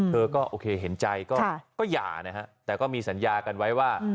เธอก็โอเคเห็นใจก็หย่านะฮะแต่ก็มีสัญญากันไว้ว่า